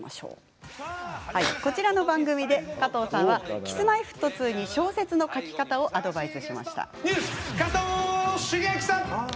この番組で、加藤さんはＫｉｓ−Ｍｙ−Ｆｔ２に小説の書き方をアドバイス。